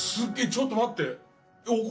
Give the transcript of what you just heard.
ちょっと待って。